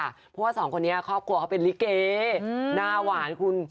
เพราะว่าสองคนนี้ครอบครัวเขาเป็นลิเกหน้าหวานคุณ